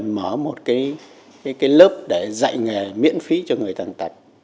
mở một lớp để dạy nghề miễn phí cho người thần tạch